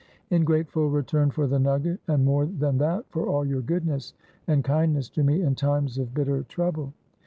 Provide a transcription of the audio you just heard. In grateful return for the nugget, and more than that for all your goodness and kindness to me in times of bitter trouble."